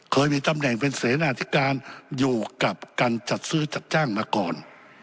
เคยมีตำแหน่งเป็นเสนาธิการอยู่กับการจัดซื้อจัดจ้างมาก่อน